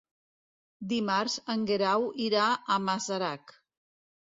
Dimarts en Guerau irà a Masarac.